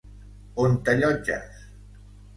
On t'allotges?